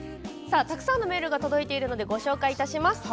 たくさんのメールが届いているのでご紹介します。